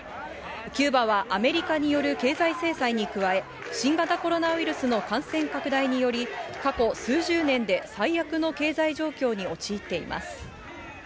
キューバはアメリカによる経済制裁に加え、新型コロナウイルスの感染拡大により、過去数十年で最悪の経済状況に陥っています。